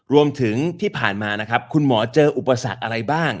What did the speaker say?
ที่ผ่านมานะครับคุณหมอเจออุปสรรคอะไรบ้าง